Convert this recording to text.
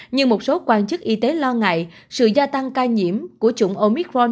nhưng một số quan chức y tế lo ngại sự gia tăng ca nhiễm của chủng omitron